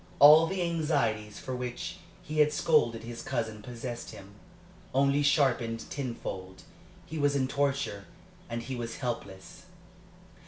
All the anxieties for which he had scolded his cousin possessed him, only sharpened tenfold; he was in torture, and he was helpless.